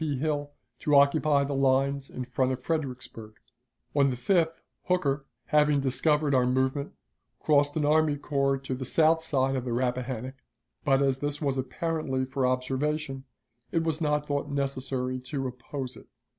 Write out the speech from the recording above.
P. Hill to occupy the lines in front of Fredericksburg. On the 5th Hooker, having discovered our movement, crossed an army corps to the south side of the Rappahannock, but, as this was apparently for observation, it was not thought necessary to oppose it.